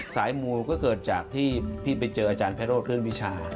สายมูก็เกิดจากที่พี่ไปเจออาจารย์ไพโรธเรื่องวิชา